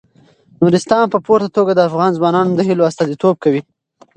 نورستان په پوره توګه د افغان ځوانانو د هیلو استازیتوب کوي.